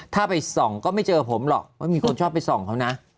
ถ้าไปส่องก็ไม่เจอผมหรอกเพราะมีคนชอบไปส่องเขานะ